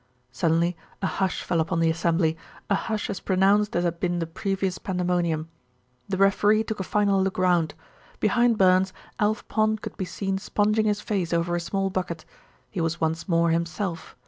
Suddenly a hush fell upon the assembly, a hush as pronounced as had been the previous pandemonium. The referee took a final look round. Behind Burns, Alf Pond could be seen sponging his face over a small bucket. He was once more himself.